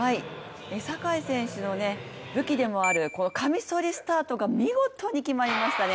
坂井選手の武器でもあるカミソリスタートが見事に決まりましたね。